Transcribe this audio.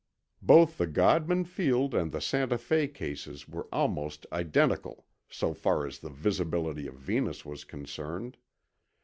Both the Godman Field and the Santa Fe cases were almost identical, so far as the visibility of Venus was concerned.